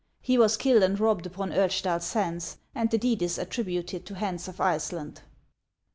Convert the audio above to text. He was killed and robbed upon Urchtal Sands, and the deed is attributed to Hans of Iceland."